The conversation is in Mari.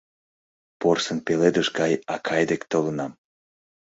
Порсын пеледыш гай акай дек толынам